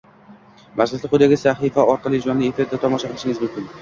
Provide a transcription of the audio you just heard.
Majlisni quyidagi sahifa orqali jonli efirda tomosha qilishingiz mumkin.